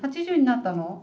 ８０になったの？